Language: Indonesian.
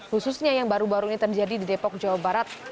khususnya yang baru baru ini terjadi di depok jawa barat